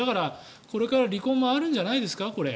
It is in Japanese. だからこれから離婚もあるんじゃないですか。